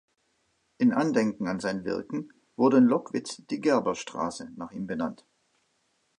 Im Andenken an sein Wirken wurde in Lockwitz die Gerberstraße nach ihm benannt.